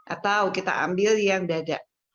atau kita ambil yang dada